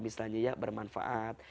misalnya ya bermanfaat